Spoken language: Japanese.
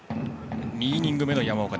２イニング目の山岡。